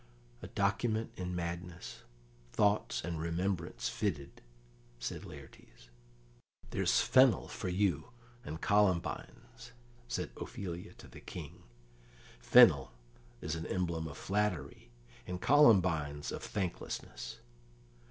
"A document in madness, thoughts and remembrance fitted," said Laertes. "There's fennel for you, and columbines," said Ophelia to the King, (fennel is an emblem of flattery, and columbines of thanklessness).